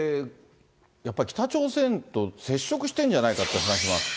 やっぱり北朝鮮と接触してるんじゃないかっていう話もあって。